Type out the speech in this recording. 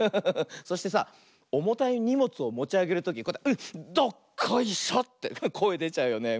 そしてさおもたいにもつをもちあげるとき「うっどっこいしょ！」ってこえでちゃうよね。